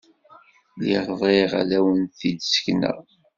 Lliɣ bɣiɣ ad awen-t-id-ssekneɣ.